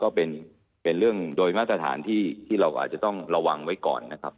ก็เป็นเรื่องโดยมาตรฐานที่เราก็อาจจะต้องระวังไว้ก่อนนะครับ